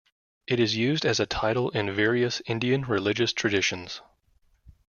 It is used as a title in various Indian religious traditions.